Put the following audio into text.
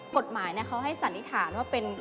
กฎหมายนะเขาให้สันิทานว่าว่าเป็น